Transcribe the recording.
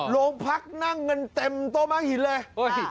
โรงพักนั่งกันเต็มโต๊ม้าหินเลย